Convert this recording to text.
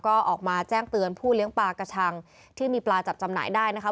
ก็ออกมาแจ้งเตือนผู้เลี้ยงปลากระชังที่มีปลาจับจำหน่ายได้นะคะ